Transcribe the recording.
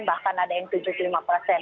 bahkan ada yang tujuh puluh lima persen